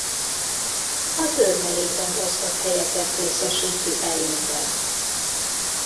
A törmelékben gazdag helyeket részesíti előnyben.